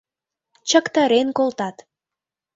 Чактарен колтат.